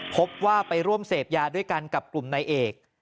พบว่าไปร่วมเสพยาด้วยกันกับกลุ่มนายเอก